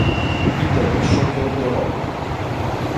Italie championne d'Europe.